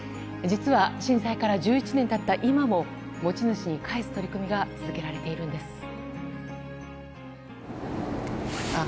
実は、震災から１１年経った今も持ち主に返す取り組みが続けられているんです。